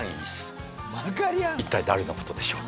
一体誰のことでしょう？